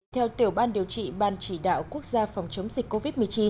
theo tiểu ban điều trị ban chỉ đạo quốc gia phòng chống dịch covid một mươi chín